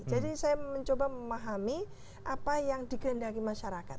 jadi saya mencoba memahami apa yang dikendaki masyarakat